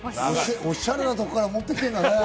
オシャレなところから持ってきたんだね。